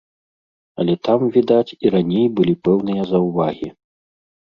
Але там, відаць, і раней былі пэўныя заўвагі.